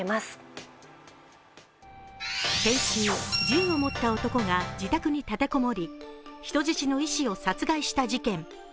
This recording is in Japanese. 先週、銃を持った男が自宅に立てこもり人質の医師を殺害した事件。